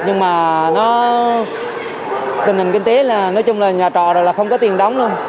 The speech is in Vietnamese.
nhưng mà nó tình hình kinh tế là nói chung là nhà trò rồi là không có tiền đóng luôn